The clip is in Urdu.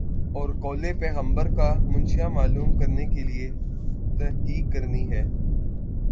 اور قولِ پیغمبر کا منشامعلوم کرنے کے لیے تحقیق کرنی ہے